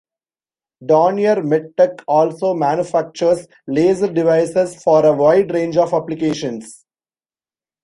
Dornier MedTech also manufactures laser devices for a wide range of applications.